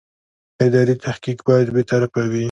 اداري تحقیق باید بېطرفه وي.